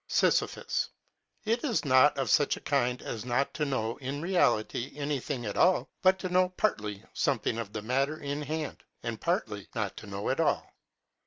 Sis. It is not of such a kind as not to know in reality any thing at all, but to know partly something of the matter in hand, and partly not to know at all.!